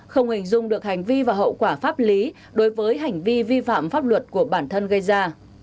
không hình dung được hành vi và hậu quả pháp lý đối với hành vi vi phạm pháp luật của bản thân gây ra